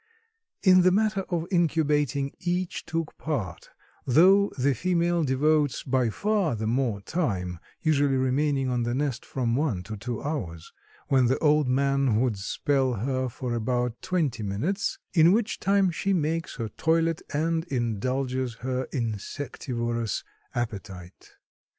In the matter of incubating each took part, though the female devotes by far the more time, usually remaining on the nest from one to two hours, when the old man would spell her for about twenty minutes, in which time she makes her toilet and indulges her insectivorous appetite.